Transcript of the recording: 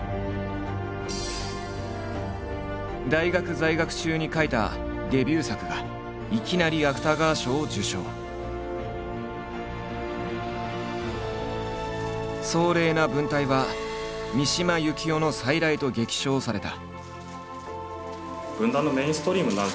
大学在学中に書いたデビュー作がいきなり壮麗な文体は「三島由紀夫の再来」と激賞された。